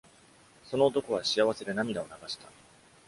その男は幸せで涙を流した。